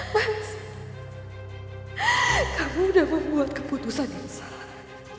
mas kamu udah membuat keputusan yang salah